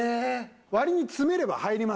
割に詰めれば入りますから。